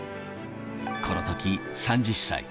このとき３０歳。